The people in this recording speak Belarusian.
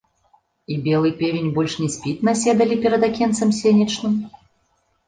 І белы певень больш не спіць на седале перад акенцам сенечным?